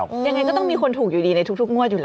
ยังไงก็ต้องมีคนถูกอยู่ดีในทุกงวดอยู่แล้ว